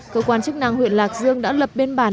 cơ quan chức năng huyện lạc dương đã lập biên bản